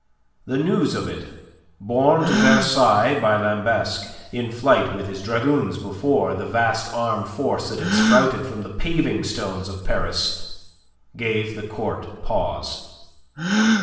The news of it, borne to Versailles by Lambesc in flight with his dragoons before the vast armed force that had sprouted from the paving stones of Paris, gave the Court pause.